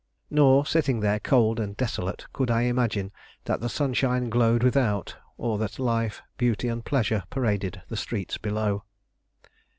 Nor, sitting there cold and desolate, could I imagine that the sunshine glowed without, or that life, beauty, and pleasure paraded the streets below.